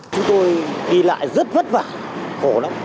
chúng tôi đi lại rất vất vả khổ lắm